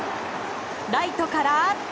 ライトから。